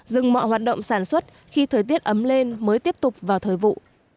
dừng mọi hoạt động sản xuất khi thời tiết ấm lên mới tiếp tục vào thời vụ